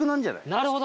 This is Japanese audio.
なるほど！